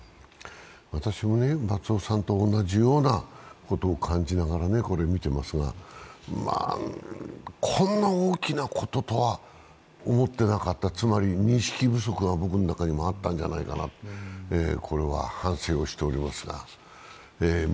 私も松尾さんと同じようなことを感じながら、これを見ていますが、まあ、こんな大きなこととは思ってなかったつまり、認識不足が僕の中にもあったんじゃないかと、これは反省をしております。